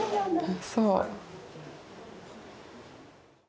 そう。